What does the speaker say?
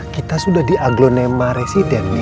kita sudah di aglonema residen nih